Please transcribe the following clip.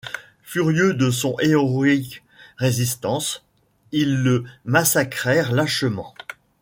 Furieux de son héroïque résistance, ils le massacrèrent lâchement.